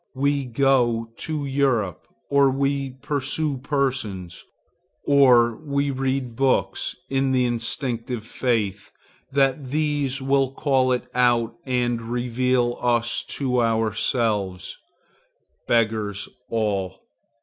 We go to Europe, or we pursue persons, or we read books, in the instinctive faith that these will call it out and reveal us to ourselves. Beggars all.